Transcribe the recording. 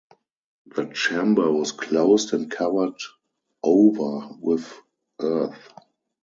The chamber was closed and covered over with earth.